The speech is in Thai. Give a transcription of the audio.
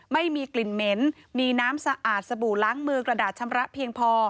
ไม่มีกลิ่นเหม็นมีน้ำสะอาดสบู่ล้างมือกระดาษชำระเพียงพอ